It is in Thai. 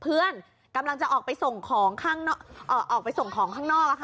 เพื่อนกำลังจะออกไปส่งของข้างนอกค่ะ